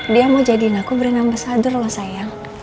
dia mau jadiin aku bernama sadur loh sayang